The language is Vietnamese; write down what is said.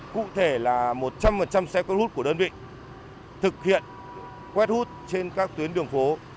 cụ thể là một trăm linh xe croup của đơn vị thực hiện quét hút trên các tuyến đường phố